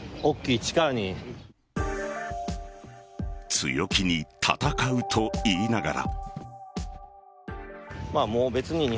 強気に戦うと言いながら。